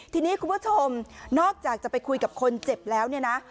ทีนี้คุณผู้ชมนอกจากจะไปคุยกับคนเจ็บแล้วเนี่ยนะ